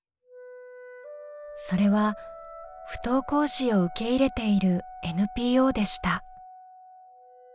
それは不登校児を受け入れているＮＰＯでした。